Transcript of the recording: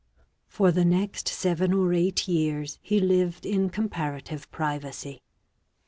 For the next seven or eight years he lived in com parative privacy.